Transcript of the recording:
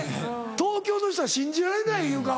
東京の人は信じられないいう顔。